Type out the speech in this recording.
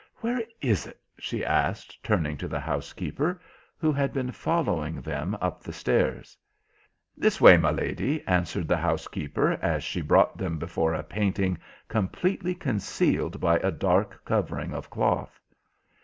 Where is it?" she asked, turning to the housekeeper, who had been following them up the stairs. "This way, my lady," answered the housekeeper, as she brought them before a painting completely concealed by a dark covering of cloth.